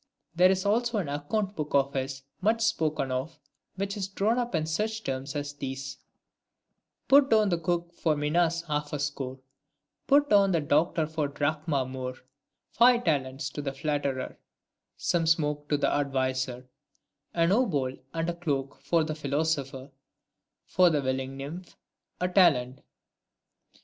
There is also an account book of his much spoken of, which is drawn up in such terms as these :— Put down the cook for minas half a score, Put down the doctor for a drachma more : Five talents to the flatterer ; some smoke To the adviser, an obol and a cloak For the philosopher ; for the willing nymph, A talent